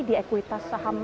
di ekuitas saham asia